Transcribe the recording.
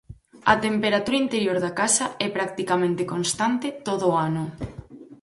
A temperatura interior da casa é practicamente constante todo o ano.